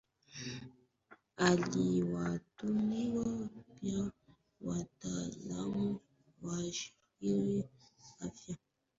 Aliwatimua pia wataalamu wa Shirika la Afya Duniani